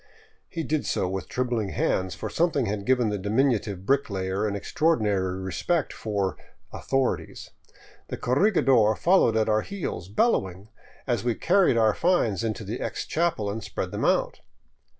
He did so with trembling hands, for something had given the dimin utive bricklayer an extraordinary respect for " authorities." The corregidor followed at our heels, bellowing, as we carried our finds into the ex chapel and spread them out.